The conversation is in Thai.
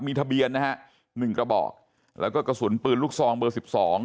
มีทะเบียนนะฮะหนึ่งกระบอกแล้วก็กระสุนปืนลูกซองเบอร์สิบสอง